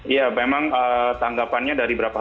iya memang tanggapannya dari beberapa hal